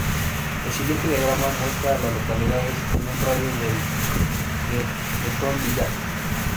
El siguiente diagrama muestra a las localidades en un radio de de Teton Village.